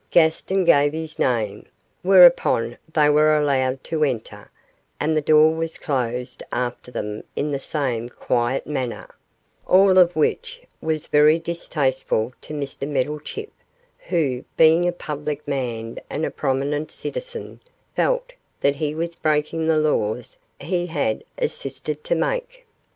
Gaston gave his name, whereupon they were allowed to enter, and the door was closed after them in the same quiet manner, all of which was very distasteful to Mr Meddlechip, who, being a public man and a prominent citizen, felt that he was breaking the laws he had assisted to make.